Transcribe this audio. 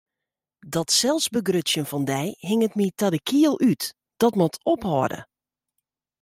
Dat selsbegrutsjen fan dy hinget my ta de kiel út, dat moat ophâlde!